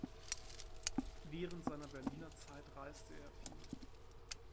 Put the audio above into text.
Während seiner Berliner Zeit reiste er viel.